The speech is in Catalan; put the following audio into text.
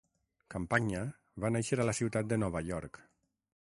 Campagna va néixer a la ciutat de Nova York.